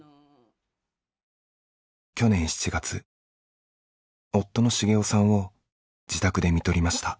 去年７月夫の茂夫さんを自宅で看取りました。